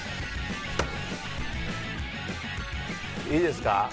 いいですか？